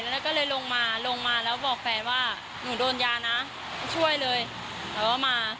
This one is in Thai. แล้วก็เลยลงมาลงมาแล้วบอกแฟนว่าหนูโดนยานะช่วยเลยแต่ว่ามา